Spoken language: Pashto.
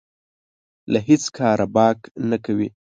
له هېڅ کاره باک نه کوي.